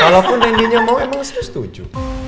walaupun randinya mau emang sih dia setuju